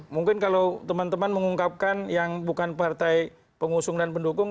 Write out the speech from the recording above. mungkin kalau teman teman mengungkapkan yang bukan partai pengusung dan pendukung